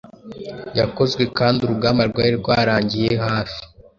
Yakozwekandi urugamba rwari rwarangiye hafi